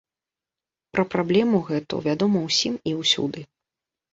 Пра праблему гэту вядома ўсім і ўсюды.